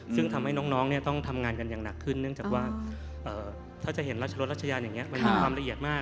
ซึ่งทำให้น้องต้องทำงานกันอย่างหนักขึ้นเนื่องจากว่าถ้าจะเห็นราชรสรัชญาณอย่างนี้มันมีความละเอียดมาก